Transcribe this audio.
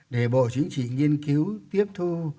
để bộ chính trị nghiên cứu tiếp thu